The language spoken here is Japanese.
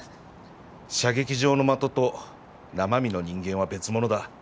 射撃場の的と生身の人間は別物だ。